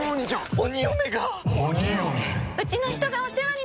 鬼嫁が！